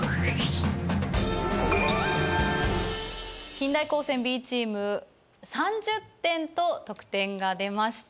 近大高専Ｂチーム３０点と得点が出ました。